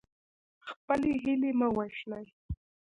خپلې هیلې مه وژنئ.